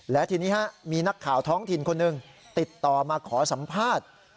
และทีนี้มีนักข่าวท้องถิ่นคนหนึ่งติดต่อมาขอสัมภาษณ์